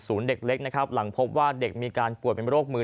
เด็กเล็กนะครับหลังพบว่าเด็กมีการป่วยเป็นโรคมือ